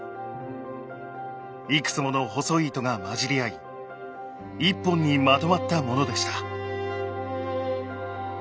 いくつもの細い糸が混じり合い１本にまとまったものでした。